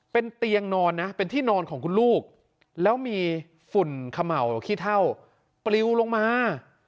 เป็นเตียงนอนนะเป็นที่นอนของคุณลูกแล้วมีฝุ่นเขม่าขี้เท่าปลิวลงมา